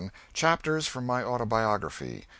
CHAPTERS FROM MY AUTOBIOGRAPHY.